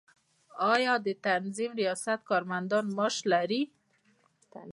آیا د تنظیف ریاست کارمندان معاش لري؟